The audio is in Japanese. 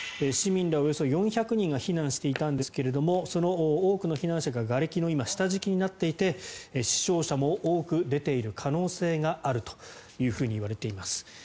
市民らおよそ４００人が避難していたんですがその多くの避難者が今、がれきの下敷きになっていて死傷者も多く出ている可能性があるというふうにいわれています。